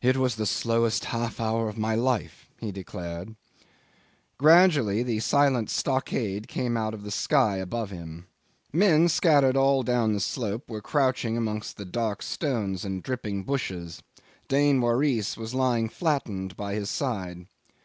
"It was the slowest half hour in my life," he declared. Gradually the silent stockade came out on the sky above him. Men scattered all down the slope were crouching amongst the dark stones and dripping bushes. Dain Waris was lying flattened by his side.